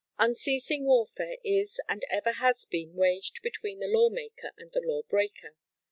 Unceasing warfare is and ever has been waged between the law maker and the law breaker.